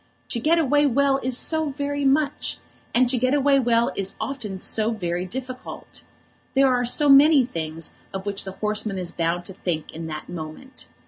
To get away well is so very much! And to get away well is often so very difficult! There are so many things of which the horseman is bound to think in that moment.